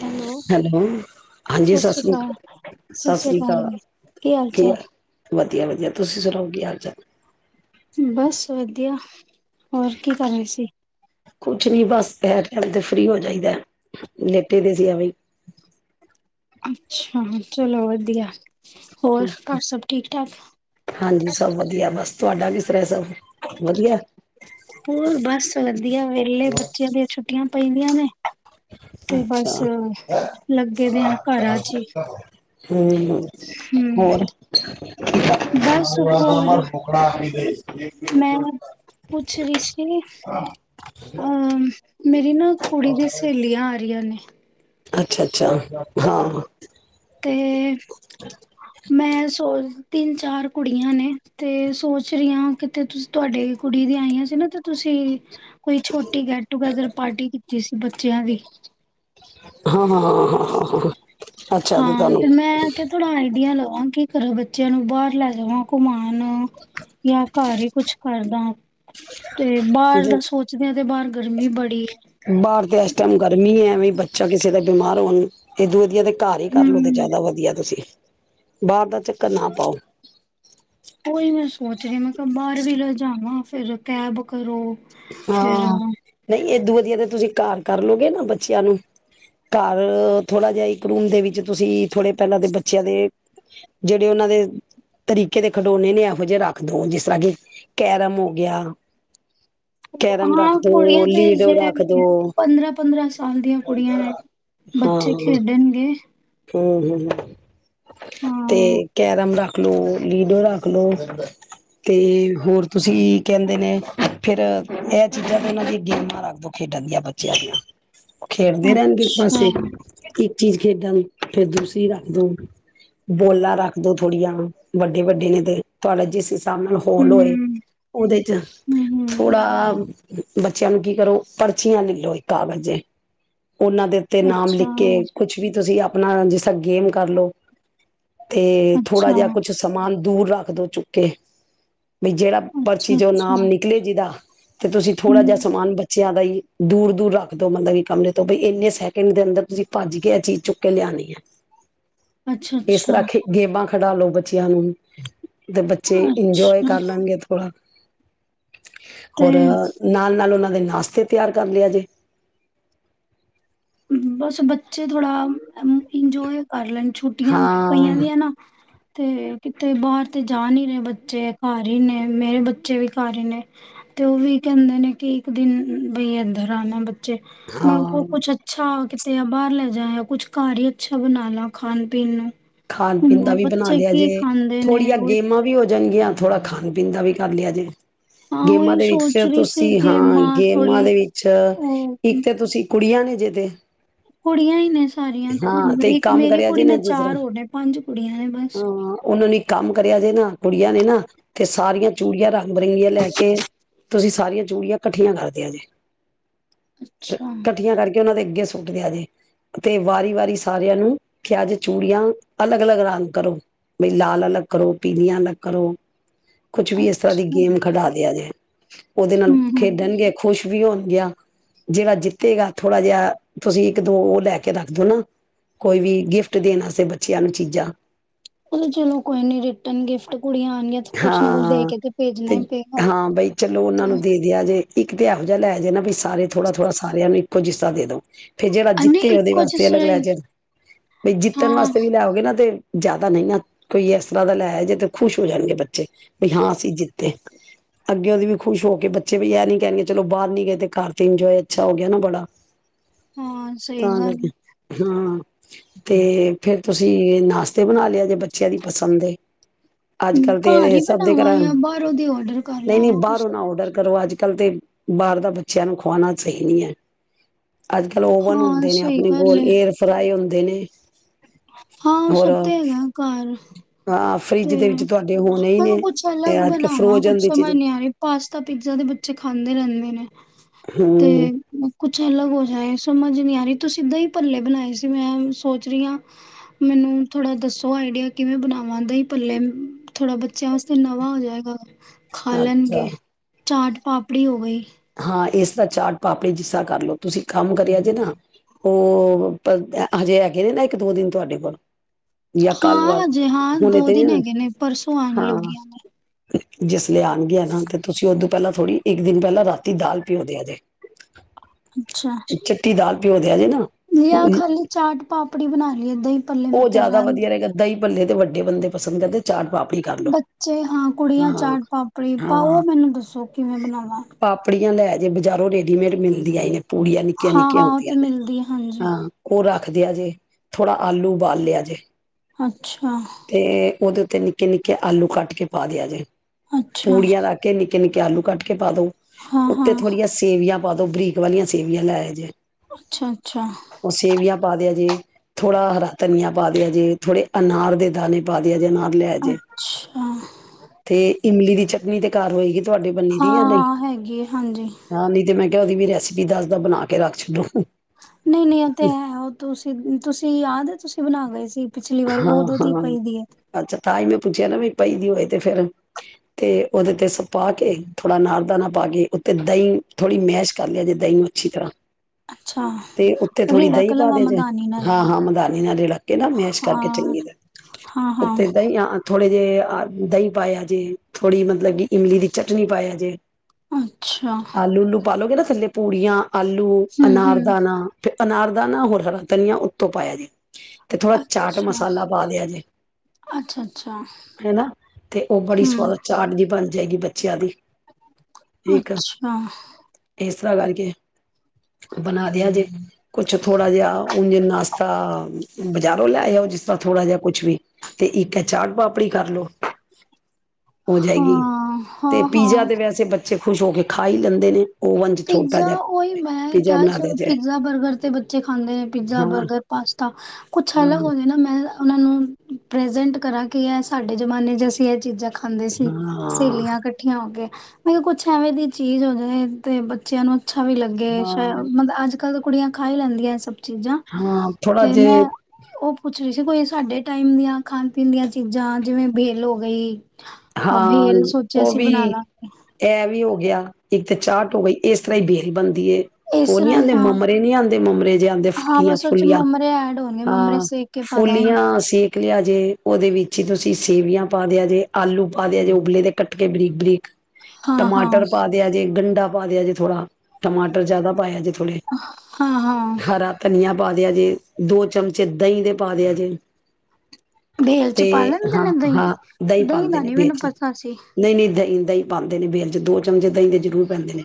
Hello! Hello ਸਤਿ ਸ੍ਰੀ ਅਕਾਲ ਸਤ ਸ੍ਰੀ- ਅਕਾਲ ਜੀ ਕੀ ਹਾਲ ਚਾਲ ਵਧੀਆ -ਵਧੀਆ ਤੁਸੀਂ ਸੁਣਾਓ, ਕੀ ਹਾਲ- ਚਾਲ ਬਸ ਵਧੀਆ, ਹੋਰ ਕੀ ਕਰ ਰਹੇ ਸੀ। ਕੁਛ ਨੀ ਬਸ ਇਹ ਟਾਈਮ ਤੇ ਫ੍ਰਰੀ ਹੋ ਜਾਈਦਾ ਲੇਟੇ ਵੇ ਸੀ ਐਵੇ ਅੱਛਾ, ਚਲੋ ਵਧੀਆ ਹੋਰ ਘਰ ਸਭ ਠੀਕ ਠਾਕ [unintelligible] ਹਾਂਜੀ ਸਭ ਵਧੀਆ ਬਸ ਤੁਹਾਡਾ ਕਿਸ ਤਰ੍ਹਾਂ ਹੈ ਸਭ ਵਧੀਆ [unintelligible] ਹੋਰ ਬਸ ਵਧੀਆ ਵੇਹਲੇ ਬੱਚਿਆਂ ਦੀਆਂ ਛੁੱਟੀਆਂ ਪੈਂਦੀਆਂ ਨੇ, ਤੇ ਅੱਛਾ ਬਸ ਲੱਗੇ ਵੇ ਹਾ ਘਰਾਂ ਚ ਹੀ। ਹੂੰ ਹਮ ਹੋਰ, ਬਸ ਹੋਰ ਮੈਂ ਪੁੱਛ ਰਹੀ ਸੀ ਅਹ [unintelligible] ਮੇਰੀ ਨਾ, ਕੁੜੀ ਦੀ ਸਹੇਲੀਆਂ [unintelligible] ਕਰ ਜਾਂੇ ਅੱਛਾ -ਅੱਛਾ, ਹਾਂ। ਤੇ, ਮੈਂ ਸੋ ਤਿੰਨ ਚਾਰ ਕੁੜੀਆਂ ਨੇ, ਤੇ ਸੋਚ ਰਹੀ ਹਾਂ ਕਿਤੇ ਤੁਸੀਂ ਤੁਹਾਡੇ ਕੁੜੀ ਦੀ ਆਈਆਂ ਸੀ ਨਾ ਤੇ ਤੁਸੀਂ- ਕੋਈ ਛੋਟੀ ਗੈਟ ਟੂਗੇੈਦਰ ਪਾਰਟੀ ਕੀਤੀ ਸੀ। ਬੱਚਿਆਂ ਦੀ ਹਾਂਾਂ ਅੱਛਾ ਤੇ ਹਾਂ ਤੁਹਾਨੂੰ ਘੋ ਬੱਚਿਆਂ ਨੂੰ ਬਾਹਰ ਲੈ ਜਾਵਾਂ ਘੁਮਾ- ਜਾਂ ਘਰ ਹੀ ਕੁਛ ਕਰਦਾ ਹਾ ਤੇ ਬਾਹਰ ਦਾ ਸੋਚਦੇ ਹਾਂ ਤੇ ਬਾਹਰ ਗਰਮੀ ਬੜੀ ਵੀ ਬੱਚਾ ਕਿਸੇ ਦੇ ਬਿਮਾਰ ਹੋਣ ਇਦੂ ਵਦੀਆਂ ਤੇ ਘਰ ਹੀ ਕਰਲੋ ਤੇ ਹਮ ਜ਼ਿਆਦਾ ਵਧੀਆ ਤੁਸੀਂ ਬਾਹਰ ਦਾ ਚੱਕਕਰ ਕੋਈ ਮੈਂ ਸੋਚ ਰਹੀ ਮੈਂ ਕਿਹਾ ਬਾਹਰ ਵੀ ਲੈਜਵਾਂ ਫਿਰ ਕੈਬ ਕਰੋ ਫਿਰ ਹਾਂ ਨਹੀਂ ਏਦੋ ਵਧੀਆ ਤੇ ਤੁਸੀਂ ਘਰ ਕਰਲੋਗੇ ਨਾ ਬੱਚਿਆਂ ਨੂੰ ਘਰ ਥੋੜਾ ਜਿਹਾ ਇੱਕ ਰੂਮ ਦੇ ਵਿੱਚ ਤੁਸੀਂ ਥੋੜੇ ਪਹਿਲਾਂ ਦੇ ਬੱਚਿਆਂ ਦੇ ਜਿਹੜੇ ਉਹਨਾਂ ਦੇ ਤਰੀਕੇ ਦੇ ਖਿਡੋਣੇ ਨੇ ਇਹੋ ਜਿਹੇ ਰੱਖ ਦੋ ਜਿਸ ਤਰ੍ਹਾਂ ਕਿ ਕੈਰਮ ਹੋ ਗਿਆ ਕੈਰਮ ਹਾਂ ਰੱਖ ਦੋ ਕੁੜੀਆਂ ਤੇ ਲੀਡੋ ਜੇ ਰੱਖ ਦੋ ਪੰਦਰਾਂ ਪੰਦਰਾਂ ਸਾਲ ਦੀਆਂ ਕੁੜੀਆਂ ਨੇ ਬੱਚੇ ਖੇਡਣਗੇ ਹਮ ਹਮ ਤੇ ਹਾਂ ਕੈਰਮ ਰੱਖ ਲੋ ਲੀਡੋ ਰੱਖ ਲੋ ਤੇ ਹੋਰ ਤੁਸੀਂ ਕਹਿੰਦੇ ਨੇ ਫਿਰ ਇਹ ਚੀਜ਼ਾਂ ਤੇ ਇਹਨਾਂ ਦੀਆਂ ਗੇਮਾਂ ਰੱਖ ਦੋ ਖੇਡਣ ਦੀਆਂ ਬੱਚਿਆਂ ਦੀਆਂ ਖੇਡਦੇ ਰਹਿਣਗੇ ਇੱਕ ਅੱਛਾ ਪਾਸੇ ਹਮ ਇੱਕ ਚੀਜ਼ ਖੇਡਾਂ ਨੂੰ ਫਿਰ ਦੂਸਰੀ ਰੱਖਦੋ ਬੋਲਾਾਂ ਰੱਖਦੋ ਥੋੜੀੀਆਂ ਵੱਡੇ ਵੱਡੇ ਨੇ ਤੇ ਤੁਹਾਡਾ ਜਿਸ ਸ਼ਾਮ ਮਾਹੌਲ ਹੋਏ ਹਮ ਉਹਦੇ ਚ ਹਮ ਥੋੜਾ ਬੱਚਿਆਂ ਨੂੰ ਕੀ ਕਰੋ ਪਰਚੀਆਂ ਲੈਲੋ ਇੱਕ ਕਾਗਜ਼ੇ ਉਹਨਾਂ ਦੇ ਉੱਤੇ ਨਾਮ ਅੱਛਾ ਲਿਖ ਕੇ ਕੁਛ ਵੀ ਤੁਸੀਂ ਆਪਣਾ ਜਿਸ ਤਰ ਗੇਮ ਕਰਲੋ ਤੇ ਥੋੜ੍ਹਾ ਅੱਛਾ ਜਿਹਾ ਕੁਛ ਸਮਾਨ ਦੂਰ ਰੱਖ ਕਦੋਂ ਚੁੱਕੇ ਬਈ ਜਿਹੜਾ ਪਰਚੀ ਅੱਛਾ ਚੋਂ ਅੱਛਾ ਨਾਮ ਨਿਕਲੇ ਜਿਹਦਾ ਤੇ ਤੁਸੀਂ ਥੋੜ੍ਹਾ ਜਿਹਾ ਹਮ ਸਮਾਨ ਬੱਚਿਆਂ ਦਾ ਹੀ ਦੂਰ ਦੂਰ ਰੱਖ ਦਿਓ ਬੰਦਾ ਵੀ ਕਮਰੇ ਤੋਂ ਬ ਇੰਨੇ ਸੈਕਿੰਡ ਦੇ ਅੰਦਰ ਤੁਸੀਂ ਭੱਜ ਕੇ ਇਹ ਚੀਜ਼ ਚੁੱਕ ਕੇ ਲਿਆਉਣੀ ਹੈ ਅੱਛਾ ਇਸ ਤਰ੍ਹਾਂ ਅੱਛਾ ਖ ਗੇਮ ਖੜਾ ਲੋ [unintelligible] ਤੇ ਬੱਚੇ ਇੰਜੋਏ ਅੱਛਾ ਕਰ ਲੈਣਗੇ ਥੋੜ੍ਹਾ ਹੋਰ ਤੇ ਨਾਲ ਨਾਲ ਉਹਨਾ ਦੇ ਨਾਸ਼ਤੇ ਤਿਆਰ ਕਰ ਲਿਆ ਜੇ ਬਸ ਬੱਚੇ ਥੋੜਾ ਇੰਜੋਏ ਕਰ ਲੈਣ ਛੁੱਟੀਆਂ ਪਈਆਂ ਹਾਂ ਦੀਆਂ ਨਾ ਤੇ ਕਿਤੇ ਬਾਹਰ ਤੇ ਜਾ ਨ ਰਹੇ ਬੱਚੇ ਘਰ ਹੀ ਨੇ ਮੇਰੇ ਬੱਚੇ ਵੀ ਘਰ ਹੀ ਨੇ ਤੇ ਉਹ ਵੀ ਕਹਿੰਦੇ ਨੇ ਕਿ ਇੱਕ ਦਿਨ ਬਈ ਇੱਧਰ ਆਉਣਾ ਮੈਂ ਉਹ ਹਾਂ ਕੁਛ ੱਛ ਕਿਤੇ ਆ ਬਾਹਰ ਲੈ ਜਾਇ ਆ ਕੁਛ ਘਰ ਹੀ ਅੱਛਾ ਬਣਾ ਲਾ ਖਾਣ ਪੀਣ ਨੂੰ ਖਾਣ ਪੀਣ ਦਾ ਹੂੰ, ਵੀ ਬਣਾ ਬੱਚੇ ਲਿਆ ਜੇ ਕੀ ਖਾਂਦੇ ਨੇ ਥੋੜ੍ਹੀ ਜਿ ਉਹੀ ਗੇਮਾਂ ਵੀ ਹੋ ਜਾਣਗੀਆਂ ਥੋੜਾ ਖਾਣ ਪੀਣ ਦਾ ਵੀ ਕਰ ਲਿਆ ਜੇ ਹਾਂ ਗੇਮਾਂ ਉਹੀ ਦੇ ਸੋਚ ਵਿੱਚ, ਰਹੀ ਸੀ ਤੁਸੀਂ ਹਾਂ ਗੇਮਾਂ ਥੋੜ੍ਹੀ ਦੇ ਵਿੱਚ, ਉਹ ਇੱਕ ਤਾਂ ਤੁਸੀਂ ਕੁੜੀਆਂ ਨੇ ਜੇ ਅਤੇ ਕੁੜੀਆਂ ਹੀ ਨੇ ਸਾਰੀਆਂ, ਮਤਲਬ ਇੱਕ ਕੰਮ ਮੇਰੀ ਕਰਿਆ ਜੇ ਕੁੜੀ ਨਾ ਨੇ ਜਿਸ ਤਰ੍ਹਾਂ ਚਾਰ ਹੋਰ ਨੇੇ ਪੰਜ ਕੁੜੀਆਂ ਨੇ ਬਸ। ਹਾਂ ਉਹਨਾਂ ਨੇ ਕੰਮ ਕਰਿਆ ਜੇ ਨਾ ਕੁੜੀਆਂ ਨੇ ਨਾ ਤੇ ਸਾਰੀਆਂ ਚੂੜੀਆਂ ਰੱਖ ਬਰਿੰਗੀਆਂ ਲੈ ਕੇ ਤੁਸੀਂ ਸਾਰੀਆਂ ਚੂੜੀਆਂ ਇਕੱਠੀਆਂ ਕਰ ਦੀਆਂ ਜੇ ਤੇ ਅੱਛਾ, ਇਕੱਠੀਆਂ ਕਰਕੇ ਉਹਨਾਂ ਦੇ ਅੱਗੇ ਸੁੱਟਦੇ ਆ ਜੇ ਤੇ ਵਾਰੀ- ਵਾਰੀ ਸਾਰਿਆਂ ਨੂੰ ਕਿਹਾਜੇ ਚੂੜੀਆਂ ਅਲੱਗ- ਅਲੱਗ ਰੰਗ ਕਰੋ ਬਈ ਲਾਲ ਅਲੱਗ ਕਰੋ ਪੀਲੀਆਂ ਅਲੱਗ ਕਰੋ ਕੁਛ ਵੀ ਇਸ ਤਰ੍ਹਾਂ ਦੀ ਅੱਛਾ ਗੇਮ ਖਿਡਾ ਦਿਆ ਜੇ। ਉਹਦੇ ਨਾਲ ਹੂੰ, ਹੂੰ। ਖੇਡਣਗੇ ਖੁਸ਼ ਵੀ ਹੋਣ ਗਿਆ ਜਿਹੜਾ ਜਿੱਤੇਗਾ ਥੋੜਾ ਜਿਹਾ ਤੁਸੀਂ ਇੱਕ -ਦੋ ਉਹ ਲੈ ਕੇ ਰੱਖਦੋ ਨਾ, ਕੋਈ ਵੀ ਗਿਫਟ ਦੇਣਸੇ ਬੇ ਬੱਚਿਆਂ ਨੂੰ ਚੀਜ਼ਾਂ ਚਲੋ- ਚਲੋ ਕੋਈ ਨੀ ਰਿਟਰਨ ਗਿਫਟ ਕੁੜੀਆਂ ਆਣਗੀਆਂ ਤੇ ਕੁਛ ਨਾ ਕੁਛ ਦੇ ਹਾਂ ਕੇ ਭੇਜਣਾ ਤੇ ਹੀ ਪਏਗਾ। ਹਾਂ ਬਈ ਚਲੋ ਉਹਨਾਂ ਨੂੰ ਦੇ ਦਿਆ ਜੇ ਇੱਕ ਤੇ ਇਹੋ ਜਿਹਾ ਲੈ ਜਾਣਾ ਵੀ ਸਾਰੇ ਥੋੜਾ- ਥੋੜਾ ਸਾਰਿਆਂ ਨੂੰ ਜਿਸ ਤਰਾਂ ਦੇ ਦੋ ਫੇਰ ਜਿਹੜਾ ਨਹੀਂ ਜਿੱਤੇ ਉਹਦੇ ਇੱਕੋ ਵਾਸਤੇ ਜਿਸ ਅਲੱਗ ਤਰ੍ਹਾਂ ਲੈ ਹੀ ਜਾ ਬਈ ਜਿੱਤਣ ਹਾਂ, ਵਾਸਤੇ ਵੀ ਲੈਓਗੇ ਨਾ ਤੇ ਜ਼ਿਆਦਾ ਨਹੀਂ ਨਾ ਕੋਈ ਇਸ ਤਰ੍ਹਾਂ ਦਾ ਲੈ ਜੇ ਤੇ ਖੁਸ਼ ਹੋ ਜਾਣਗੇ। ਬੱਚੇ। ਵੀ ਹਾਂ ਅਸੀਂ ਜਿੱਤੇ, ਅੱਗੇ ਉਹਦੇ ਵੀ ਖੁਸ਼ ਹੋ ਕੇ ਬੱਚੇ ਵੀ ਇਹ ਨੀ ਕਹਿਣਗੇ ਚਲੋ ਬਾਹਰ ਨੀ ਗਏ ਤੇ ਘਰ ਤੇ ਇੰਜੋਏ ਅੱਛਾ ਹੋ ਗਿਆ ਨਾ ਬੜਾ। ਹਾਂ ਸਹੀ ਤਾਂ ਗੱਲ ਕਰ ਹਾਂ। ਤੇ ਫਿਰ ਤੁਸੀਂ ਨਾਸ਼ਤੇ ਬਣਾ ਲਿਆ ਜੇ ਬੱਚਿਆਂ ਦੀ ਪਸੰਦਦੇ। ਘਰ ਹੀ ਬਣਾਵਾਂ ਜਾਂ ਬਾਹਰੋਂ ਦੇ ਆਰਡਰ ਕਰ ਨਹੀਂ ਬਾਹਰੋਂ ਲਾਵਾਂ। ਨਾ ਔਡਰ ਕਰੋ ਅੱਜ ਕੱਲ੍ਹ ਤੇ ਬਾਹਰ ਦਾ ਬੱਚਿਆਂ ਨੂੰ ਖਵਾਉਣਾ ਸਹੀ ਨਹੀਂ ਹੈ। ਅੱਜ ਕੱਲ੍ਹ ਓਵਨ ਹਾਂ ਹੁੰਦੇ ਨੇ ਸਹੀ ਆਪਣੇ ਗੱਲ ਕੋਲ ਏ ਏਅਰ ਫਰਾਈ ਹੁੰ ਦੇ ਨੇ ਹਾਂ ਉਹ ਸਭ ਹੋਰ ਤੇ ਹੈਗਾ ਕਾਰ ਹਾਂ ਫਰਿੱਜ ਦੇ ਵਿੱਚ ਤੁਹਾਡੇ ਹੋਣੇ ਹੀ ਮ ਨੇ ਕੁੱਛ ਅਲੱਗ ਅੱਜ ਕੱਲ ਬਣਾਵਾਂ ਫਰੋਜਨ ਕੁੱਛ ਦੀ ਚੀਜ਼ ਸਮਝ ਨੀ ਆਰੇ ਪਾਸਤਾ- ਪੀਜ਼ਾ ਦੇ ਬੱਚੇ ਖਾਂਦੇ ਰਹਿੰਦੇ ਨੇ। ਤੇ ਹੂੰ ਕੁੱਛ ਅਲੱਗ ਹੋ ਜਾਏ ਸਮਝ ਨਹੀਂ ਆ। ਤੁਸੀਂ ਦਹੀ -ਭਲੇ ਬਣਾਏ ਸੀ ਮੈਂ ਸੋਚ ਰਹੀ ਹਾਂ ਮੈਨੂੰ ਥੋੜਾ ਦੱਸੋ ਆਈਡੀਆ ਕਿਵੇਂ ਬਣਾਵਾਂ ਦਾਂ ਹੀ। ਪੁੱਲ ਥੋੜਾ ਬੱਚਿਆਂ ਵਾਸਤੇ ਨਵਾਂ ਹੋ ਜਾਏਗਾ ਖਾ ਲਣਗੇ ਅੱਛਾ ਚਾਟ ਪਾਪੜੀ ਹੋ ਗਈ। ਹਾਂ ਇਸਦਾ ਚਾਟ ਪਾਪੜੀ ਜਿਸਾ ਕਰ ਲਓ ਤੁਸੀਂ ਕੰਮ ਕਰਿਆ ਜੇ ਨਾ ਉਹ ਹਜੇ ਹੈਗੇ ਨੇ ਨਾ ਇੱਕ ਦੋ ਦਿਨ ਤੁਹਾਡੇ ਕੋਲ। ਜਾਂ ਕੱਲ ਹਾਂ ਵੱਲ ਹਜੇ ਹਾਂ ਹੁਣੇ ਦੋ ਤੇ ਦਿਨ ਹੈਗੇ ਨੇ ਪਰਸੋਂ ਆਉਣ ਲੱਗੀਆਂ ਨੇ। ਜੈਸ ਲਿਆ ਆਉਣਗੀਆਂ ਨਾ ਤੇ ਤੁਸੀਂ ਉਧੋਂ ਪਹਿਲਾਂ ਥੜ੍ਹੀ ਇੱਕ ਦਿਨ ਪਹਿਲਾਂ ਰੱਖ ਦਾਲ ਭਿਓ ਦਿਆਜੇ ਅੱਛਾ ਇੱਕ ਚਿੱਟੀ ਦਾਲ ਭਿਓ ਦਿਆ ਜੇ ਨਾ ਜਾਂ ਖਾਲੀ ਚਾਟ ਪਾਪ ੜੀ ਬਣਾ ਲਈਏ। ਦਹੀਂ ਭੱਲੇ ਮੈਂ ਉਹ ਕਹਿ ਜ਼ਿਆਦਾ ਰਿਹਾ ਵਧੀਆ ਨੇ ਗੱਦਾ ਹੀ ਬੱਲੇ ਦੇ ਵੱਡੇ ਬੰਦੇ ਪਸੰਦ ਕਰਦੇ ਚਾਟ ਪਾਪੜੀ ਕਰ ਲਓ ਬੱਚੇ ਹਾਂ ਕੁੜੀਆਂ ਹਾਂ ਚਾਟ ਪਾਪੜੀ ਪਾਓ ਹਾਂ ਮੈਨੂੰ ਦੱਸੋ ਕਿਵੇਂ ਬਣਾਵਾਂ। ੇ ਬਜ਼ਾਰੋਂ ਰੇਡੀਮੇਡ ਮਿਲਦੀਆਂ ਨੇ। ਪੂੜੀਆਂ ਨਿੱਕੀਆਂ ਨਿੱਕੀਆਂ ਹਾਂ-ਹਾਂ ਉਹ ਹੁੰਦੀਆਂ ਤੇ ਨੇ ਮਿਲਦੀ ਹੈ ਹਾਂਜੀ ਹਾਂ ਘਰਾ ਰੱਖਦੇ ਆ ਜੇ ਥੋੜਾ। ਆਲੂ ਉਬਾਲਿਆ ਜੇ ਅੱਛਾ ਤੇ ਨਿੱਕੇ ਨਿੱਕੇ ਆਲੂ ਕੱਟ ਕੇ ਪਾ ਦਿਆ ਜੇ ਪੂੜੀਆਂ ਰੱਖ ਕੇ ਨ ਨਿੱਕੇ ਨਿੱਕੇ ਆਲੂ ਕੱਟਕੇ ਕੇ ਪਾ ਦੋ ਹਾਂ-ਹਾਂ ਉੱਤੇ ਥੋੜੀਆਂ ਸੇਵੀਆਂ ਪਾ ਦੋ ਬਰੀਕ ਇੱਕ ਵਾਲੀਆਂ ਸੇਵੀਆਂ ਲਾ ਜੇ ਅੱਛਾ-ਅੱਛਾ ਉਹ ਸੇਵੀਆਂ ਪਾ ਦਿਆ ਜੇ ਥੋੜਾ ਹਰਾ ਧਨੀਆ ਪਾ ਦਿਆ ਜੇ ਥੋੜੇ ਅਨਾਰ ਦੇ ਦਾਣੇ ਪਾ ਦੇ ਆ ਜੇ ਅਨਾਰ ਲੈ ਜੇ ਅੱਛਾ ਤੇ ਇਮਲੀ ਦੀ ਚੱਕ [unintelligible] ਤੁਹਾਡੇ ਬਨੀ ਦੀ ਆ ਹਾਂ-ਹਾਂ ਨਹੀਂ ਹੈਗੀ ਹੈ ਹਾਂਜੀ ਹਾਂ ਨਹੀਂ ਤੇ ਮੈਂ ਕਿ ਉਹਦੀ ਵੀ ਰੈਸਪੀ ਦੱਸਦਾ ਬਣਾ ਕੇ ਰੱਖ ਛੱਡੋ ਨਹੀਂ ਨਹੀਂ ਉਹ ਤੇ ਹੈ ਉਹ ਤੁਸੀਂ ਤੁਸੀਂ ਯਾਦ ਤੁਸੀਂ ਬਣਾ ਗਏ ਸੀ ਪਿਛਲੀ ਵਾਰ ਹਾਂ ਉਦੋਂ ਦੀ ਹਾਂ ਪਈ ਦੀ ਹੈ ਅੱਛਾ ਥਾਈ ਮੈਂ ਪੁੱਛਿਆ ਨਾ ਵੀ ਪਈ ਦੀ ਹੋਏ ਤੇ ਫੇਿਰ ਤੇ ਉਹਦੇ ਤੇ ਸ ਪਾ ਕੇ ਥੋੜਾ ਨਾਰ ਦਾਣਾ ਪਾ ਕੇ ਉੱਤੇ ਦਹੀਂ ਥੋੜ੍ਹੀ ਮੈਸ਼ ਕਰ ਲਿਆ ਜੇ ਦਹੀਂ ਨੂੰ ਅੱਛੀ ਤਰ੍ਹਾਂ ਅੱਛਾ ਤੇ ਉੱਥੇ ਥੋੜ੍ਹੀ ਰੇੜਾ ਦਹੀਂ ਪਾ ਕਲਮ ਦੇ ਜੇ ਮਦਾਨੀ ਨਾਲ ਹਾਂ ਹਾਂ ਮਦਾਨੀ ਨਾਲ ਰਲ ਕੇ ਨਾ ਮੈਸ਼ ਕਰ ਹਾਂ ਚੰਗੀ ਤਰ ਹਾਂ-ਹਾਂ ਉੱਥੇ ਦਹੀਂ ਥੋੜੇ ਜਿਹੇ ਦਹੀਂ ਪਾਏਆ ਜੇ ਥੋੜ੍ਹੀ ਮਤਲਬ ਕਿ ਇਮਲੀ ਦੀ ਚਟਨੀ ਪਾਇਆ ਜੇ ਅੱਛਾ ਆਲੂ ਉਲੂ ਪਾਲੋਗੇ ਨਾ ਥੱਲੇ ਪੂੜੀਆਂ ਆਲੂ ਅਨਾਰ ਹੂੰ-ਹੂੰ ਦਾਾਨ ਫ ਅਨਾਰ ਦਾਾਨ ਹੋਰ ਹਰਾ ਤਨੀਆ ਉੱਤੋਂ ਪਾਇਆ ਜਾੇ ਤੇ ਥੋੜਾ ਚਾਟ ਅੱਛਾ ਮਸਾਲਾ ਪਾ ਦਿਆ ਜੇ ਅੱਛਾ-ਅੱਛਾ ਹਨਾ ਤੇ ਉਹ ਬੜੀ ਹੂੰ ਸਵਾਦ ਚਾਟ ਜਿਹੀ ਬਣਦੀ ਜਾਏਗੀ ਬੱਚਿਆਂ ਦੀ ਠੀਕ ਆ ਅੱਛਾ ਇਸ ਰਾ ਕਰਕੇ ਬਣਾ ਦਿਆ ਜੇ ਕੁਛ ਥੋੜਾ ਜਿਹਾ ਹੁਣਝ ਨਾਸ਼ਤਾ ਜਾਰੋਂ ਲੈ ਹੋ ਜਿਸਦਾ ਥੋੜ੍ਹਾ ਜਿਹਾ ਕੁੱ ਵੀ ਤੇ ਇੱਕ ਹੈ ਚਾਟ ਪਾਪੜੀ ਕਰਲੋ ਹੋ ਜਾਏਗੀ ਹਾਂ ਤੇ ਹਾਂ-ਹਾਂ ਪੀਜ਼ਾ ਦੇ ਵੈਸੇ ਬੱਚੇ ਖੁਸ਼ ਹੋ ਕੇ ਖਾ ਹੀ ਲੈਂਦੇ ਨੇ ਓਵਨ ਚ ਛੋਟਾ ਪੀਜ਼ਾ ਜਿਹਾ ਉਹੀ ਮੈਂ ਪੀਜ਼ਾ ਕਿਆ ਬਣਾ ਚਲੋ ਦਿਆ ਜਾਏ ਪੀਜ਼ਾ ਬਰਗਰ ਤੇ ਬੱਚੇ ਖਾਂਦੇ ਨੇ। ਪੀਜ਼ਾ, ਹਾਂ ਬਰਗਰ, ਪਾਸਤਾ ਕੁਛ ਅਲਗ ਹਾਂ ਹੋਜੇ ਨਾ। ਮੈਂ ਉਨਾਂ ਨੂੰ ਪ੍ਰੈਜੈਂਟ ਕਰਾਂ। ਕੀ ਐ ਸਾਡੇ ਜ਼ਮਾਨੇ ਚ ਅਸੀਂ ਇਹ ਚੀਜ਼ਾਂ- ਖਾਂਦੇ ਸੀ ਹਾਂ ਸਹੇਲੀਆਂ ਇਕੱਠੀਆਂ ਹੋ ਕੇ। ਹੁਣ ਕੁਛ ਐਵੇਂ ਦੀ ਚੀਜ਼ ਹੋਜੇ। ਤੇ ਬੱਚਿਆਂ ਨੂੰ- ਅੱਛਾ ਵੀ ਲੱਗੇ ਸ਼ਾਇ ਹਾਂ ਮਤਬ ਅੱਜ ਕੱਲ੍ਹ- ਕੁੜੀਆਂ ਖਾ ਈ ਲੈਂਦੀਆਂ ਸਭ। ਚੀਜ਼ਾਂ ਹਾਂ ਥੋੜਾ -ਤੇ ਮੈਂ ਜੇ ਉਹ ਪੁੱਛ ਰਹੀ ਜੇ ਕੋਈ ਸਾਡੇ ਟਾਈਮ ਦੀਆਂ ਖਾਣ ਪੀਣ ਦੀਆਂ ਚੀਜ਼ਾਂ। ਜਿਵੇਂ ਬੇਲ ਹੋ ਗਈ। ਹਾਂ ਭੇਲ ਸੋਚਿਆ ਉਹ ਸੀ ਵੀ। ਬਣਾ ਲਾਂਗੇ ਇਹ ਵੀ ਹੋ ਗਿਆ। ਇੱਕ ਤੇ ਚਾਰਟ ਹੋ ਗਈ। ਇਸ- [unintelligible] ਇਸ ਉਹ ਨੀ ਤਰ੍ਹਾਂ ਹੀ ਆਂਦੇ ਹਾਂ ਮਮਰੇ ਨੀ ਆਂਦੇ ਮਮਰੇ ਜੇ ਆਂਦੇ ਹਾਂ ਫੁੱਲੀਆਂ। ਬਸ ਉਹ ਚ ਫੁੱਲੀਆਂ ਮਮਰੇ ਐਡ ਹੋਣਗੇ ਮਮਰੇ -ਹਾਂ ਸੇਕ ਕੇ ਪਾ ਦਾਂਗੀ ਫੁੱਲੀਆਂ ਸੇਕ ਲਿਆ ਜੇ ਉਦੇ ਵਿੱਚ- ਤੇ ਤੁਸੀਂ ਸੇਵੀਆਂ ਪਾ ਦਿਆ ਜੇ। ਆਲੂ ਪਾ ਦਿਆ ਜੇ ਉਬਲੇ ਦੇ ਕੱਟ ਕੇ ਬਰੀਕ ਬਰੀਕ। ਹਾਂ ਹਾਂ ਟਮਾਟਰ ਪਾ ਦਿਆ ਜੇ। ਗੰਡਾ- ਪਾ ਦਿਆ ਜੇ ਥੋੜਾ। ਟਮਾਟਰ ਜਾਦਾ ਪਾਇਆ ਜੇ। ਥੋੜੇ ਹਾਂ ਹਾਂ -ਹਰਾ ਧਨੀਆ। ਪਾ ਦਿਆ ਜੇ। ਦੋ ਚਮਚੇ ਦਈਂ ਦੇ ਪਾ ਦਿਆ ਜੇ। ਬੇਲ ਚ ਤੇ ਪਾ ਲੈਂਦੇ ਹਾਂ ਨੇ ਦਈਂ। ਹਾਂ ਦਹੀਂ ਦਈਂ- ਪਾਂਦੇ -ਨਹੀਂ ਨਹੀਂ ਦਈਂ -ਦਈਂ ਪਾਂਦੇ ਨੇ ਬੇਲ 'ਚ। ਦੋ ਚਮਚੇ ਦਈਂ ਦੇ ਜ਼ਰੂਰ ਪੈਂਦੇ ਨੇ।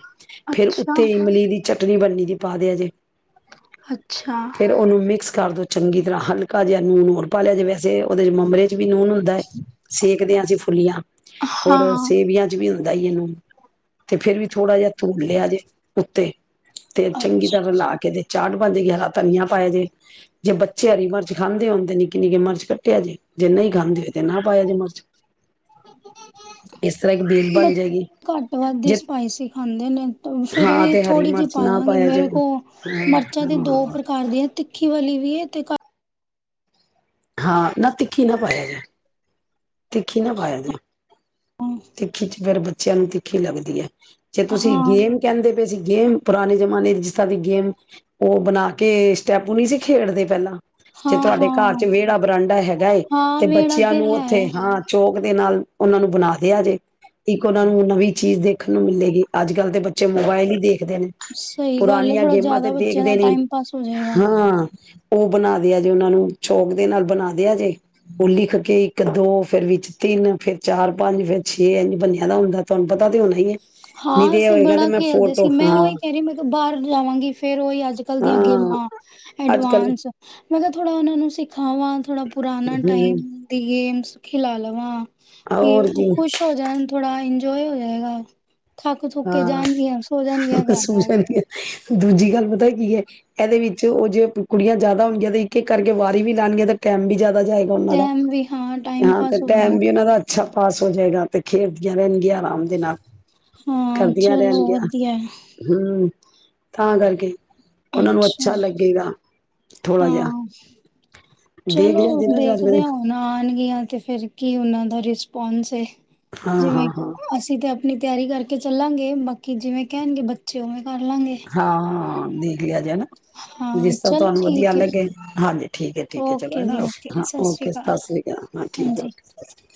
ਫੇਰ ਅੱਛਾ ਉੱਤੇੇ ਇਮਲੀ ਦੀ ਚੱਟ- ਚਟਨੀ ਬਣੀ ਦੀ ਪਾ ਦਿਆ ਜੇ। ਅੱਛਾ ਫੇਰ ਉਹਨੂੰ ਮਿਕਸ ਕਰ ਦੋ। ਚੰਗੀ ਤਰ੍ਹਾਂ ਹਲਕਾ ਜਿਹਾ ਨੂਨ ਹੋਰ ਪਾ ਲਿਆ ਜੇ ਵੈਸੇ ਉਦੇ' ਚ ਮੂਮਰੇ ਵੀ ਨੂਨ ਹੁੰਦਾ ਏ। ਸੇਵ- ਸੀ ਫੁੱਲੀਆਂ ਹੋਰ ਹਾਂ ਸੇਵੀਆਂ'ਚ ਵੀ। ਵੀ ਹੁੰਦਾ ਏ ਨੂਨ। ਤੇ ਫੇਰ ਵੀ ਥੋੜਾ ਜਿਹਾ ਧੂੜ ਲਿਆ ਜੇ ਉੱਤੇ ਤੇ ਚੰਗੀ ਤਰ੍ਹਾਂ ਰਲਾ ਕੇ ਤੇ ਚਾਟ ਬਣ ਜੇ ਗੀ। ਹਰਾ ਧਨੀਆ ਪਾਇਆ ਜੇ। ਜੇ ਬੱਚੇ ਹਰੀ ਮਿਰਚ ਖਾਂਦੇ ਹੋਣ- ਤੇ ਨਿੱਕੀ -ਨਿੱਕੀ ਮਰਚ ਕੱਟਿਆ ਜੇਜੇ ਨਹੀਂ ਖਾਂਦੇ ਤੇ ਨਾ ਪਾਇਆ ਜੇ ਮਰ- ਤਰ੍ਹਾਂ ਇੱਕ ਬੇਲ ਬਣ ਜਾਏਗੀ ਘੱਟ ਵੱਧ ਦੀ ਜੇ ਸਪਾਈਸੀ ਖਾਂਦੇ ਨੇ। ਫਿਰ ਹਾਂ ਵੀ ਤੇ ਹਰੀ ਥੋੜ੍ਹੀ ਜਿਹੀ ਮਿਰਚ ਪਾ ਨਾ ਦਾਂਗੀ। ਪਾਇਆ ਮੇਰੇ ਜਾਏ ਕੋਲ ਮਿਰਚਾਂ ਦੀਆ ਦੋ ਹਾਂ ਪ੍ਰਕਾਰ ਦੀਆਂ ਤਿੱਖੀਆਂ- ਕਿ ਵਾਲ ਲ ਵੀ ਹੈ ਤੇ ਹਾਂ ਨਾ ਤਿੱਖੀ ਨਾ ਪਾਇਆ ਤਖੀ ਨਾ ਪਾਇਆ ਜੇ ਖਿੱਚ ਫਿਰ ਬੱਚਿਆਂ ਨੂੰ ਤਿੱਖ [inaudible] ਜੇ ਤੁਸੀਂ ਹਾਂ ਗੇਮ ਕਹਿੰਦੇ ਪਏ ਸੀ ਗੇਮ ਪੁਰਾਣੇ ਬਣਾ ਕੇ ਸਟੈਪੂ ਨਹੀਂ ਸੀ ਖੇਡਦੇ ਪਹਿਲਾਂ ਜੇ ਹਾਂ ਤੁਹਾਡੇ ਘਰ ਚ ਹਾਂ ਵਿਹੜਾ ਬਰਾਂਡਾ ਹੈਗਾ ਏ ਹਾਂ ਤੇ ਵੇੜਾ ਬੱਚਿਆਂ ਤੇ ਨੂੰ ਹੈ ਉੱਥੇ ਹਾਂ ਚੋਕ ਦੇ ਨਾਲ ਉਹਨਾਂ ਨੂੰ ਬਣਾ ਦਿਆ ਜੇ ਇੱਕ ਉਹਨਾਂ ਨੂੰ ਨਵੀਂ ਚੀਜ਼ ਦੇਖਣ ਨੂੰ ਮਿਲੇਗੀ ਅੱਜ ਕੱਲ੍ਹ ਤੇ ਬੱਚੇ ਮੋਬਾਇਲ ਹੀ ਦੇਖਦੇ ਨੇ ਸਹੀ ਗੱਲ ਹੈ ਪੁਰਾਣੀਆਂ ਥੋੜਾ ਗੇਮਾਂ ਤੇ ਜ਼ਿਆਦਾ ਬੱਚਿਆਂ ਦਾ ਦੇਖਦੇ ਨੀ ਟਾਈਮ ਪਾਸ ਹੋ ਜਾਏਗਾ ਹਾਂ ਉਹ ਬਣਾਦੇ ਆ ਜੇ ਉਹਨਾਂ ਨੂੰ ਚੋਕ ਦੇ ਨਾਲ ਬਣਾਦੇ ਆ ਜੇ ਉਹ ਲਿਖ ਕੇ ਇੱਕ ਦੋ ਫੇਿਰ ਵਿੱਚ ਤਿੰਨ ਫੇਰ ਚਾਰ ਪੰਜ ਫੇਿਰ ਛੇ ਇੰਝ ਬੰਨਿਆਂ ਦਾ ਹੁੰਦਾ ਤੁਹਾਨੂੰ ਪਤਾ ਤੇ ਹੋਣਾ ਹੀ ਹੈ ਨਹੀਂ ਹਾਂ ਤੇ ਇਹ ਅਸੀਂ ਹੋਏਗਾ ਤੇ ਬੜਾ ਮੈਂ ਖੇਲਦੇ ਸੀ ਫੋਟੋ ਮੈਂ ਹਾਂ ਉਹੀ ਕਹਿ ਰਹੀ ਮੈਂ ਕਿਹਾ ਬਾਹਰ ਜਾਵਾਂਗੀ ਫੇਰ ਉਓਹੀ ਅੱਜ ਕੱਲ ਦੀਆਂ ਹਾਂ ਗੇਮਾਂ ਅੱਜ ਕੱਲ ਐਡਵਾਂਸ ਮੈਂ ਕਿਹਾ ਥੋੜਾ ਉਹਨਾ ਨੂੰ ਸਿੱਖ ਖਾਵਾਂ ਥੋੜ੍ਹਾ ਪੁਰਾਣਾ ਹਮ ਟਾਈਮ ਤੇ ਗੇਮਸ ਖਿਲਾ ਲਵਾਂ। ਕਿ ਹੋਰ ਉਹ ਕੀ ਖੁਸ਼ ਹੋ ਜਾਣ ਥੋੜਾ ਇੰਜ ਜੋ ਹੀ ਹੋ ਜਾਏਗਾ। ਥੱਕ ਥੁੱਕ ਕੇ ਹਾਂ ਜਾਣਗੀਆਂ, ਸੋ ਜਾਣਗੀਆਂ ਘਰ ਜਾ ਕੇ। ਸੂਝਣ ਦੂਜੀ ਗੱਲ ਪਤਾ ਕੀ ਐ? ਇਹਦੇ ਵਿੱਚ ਉਹ ਜੇ ਕੁੜੀਆਂ ਜਿਆਦਾ ਹੋਣਗੀਆਂ ਤੇ ਇੱਕ-ਇੱਕ ਕਰਕੇ ਵਾਰੀ ਵੀ ਲਾਉਣਗੀਆਂ ਤੇ ਟਾਈਮ ਵੀ ਜ਼ਿਆਦਾ ਜਾਏਗਾ ਉਹਨਾਂ ਦਾ। ਟਾਈਮ ਵੀ ਟਾਈਮ ਹਾਂ ਤੇ ਪਾਸ ਹੋ ਜਾਏਗਾ ਟਾਈਮ ਵੀ ਉਹਨਾਂ ਦਾ ਅੱਛਾ ਪਾਸ ਹੋ ਜਾਏਗਾ ਤੇ ਖੇਡਦੀਆਂ ਰਹਿਣ ਗੀਆਂ। ਆਰਾਮ ਦੇ ਨਾਲ। ਹਾਂ, ਕਰਦੀਆਂ ਚਲੋ ਰਹਿਣਗੀਆਂ ਵਧੀਆ ਐ। ਹੂੰ ਤਾਂ ਕਰਕੇ ਉਹਨਾਂ ਨੂੰ ਅੱਛਾ। ਲੱਗੇਗਾ ਥੋੜਾ ਜਿਹਾ ਹਾਂ, ਦੇਖ ਲਿਆ ਚਲੋ ਜੇ ਨਾ ਜਾ ਦੇਖਦੇ ਕੇ ਹਾਂ ਹੁਣ ਆਉਣਗੀਆਂ ਅਤੇ ਫਿਰ ਕੀ ਉਹਨਾਂ ਦਾ ਰਿਸਪੋਂਸ ਐ। ਹਾਂ ਹਾਂ ਜਿਵੇਂ ਹਾਂ ਅਸੀਂ ਤਾਂ ਆਪਣੀ ਤਿਆਰੀ ਕਰਕੇ ਚੱਲਾਂਗੇ ਬਾਕੀ ਜਿਵੇਂ ਕਹਿਣਗੇ ਬੱਚੇ ਉਵੇਂ ਕਰ ਲਾਂਗੇ ਹਾਂ। ਦੇਖ ਲਿਆ। ਹਾਂ ਜਿਸ ਤਰ੍ਹਾਂ ਚਲੋ ਤੁਹਾਨੂੰ ਵਧੀਆ ਠੀਕ ਹੈ ਲੱਗੇ। ਹਾਂਜੀ ਠੀਕ ਐ ਠੀਕ ਐ। ਚਲੋ ਓਕੇ ਹਨਾ ਜੀ ਓਕੇ ਹਾਂ ਸਤਿ ਸ੍ਰੀ ਓਕੇ ਸਤਿ ਸ੍ਰੀ ਅਕਾਲ ਹਾਂ ਠੀਕ ਐ ਹਾਂਜੀ ਓਕੇ ਸਤਿ